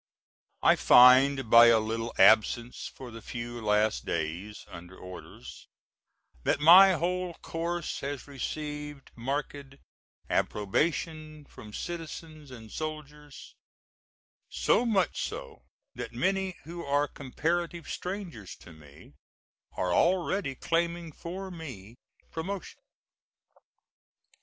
I find by a little absence for the few last days (under orders) that my whole course has received marked approbation from citizens and soldiers, so much so that many who are comparative strangers to me are already claiming for me promotion.